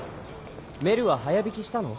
メルは早引きしたの？